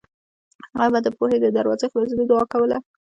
هغې به د پوهې د دروازو خلاصېدو دعا کوله